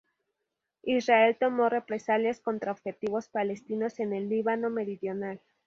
Israel tomó represalias contra objetivos palestinos en el Líbano meridional.